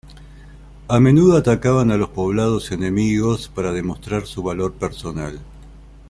A menudo atacaban a los poblados enemigos para demostrar su valor personal.